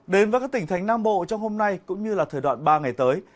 đến với các tỉnh thành nam bộ trong hôm nay cũng như là thời đoạn ba ngày tới